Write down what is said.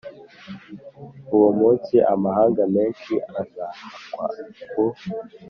Uwo munsi amahanga menshi azahakwa ku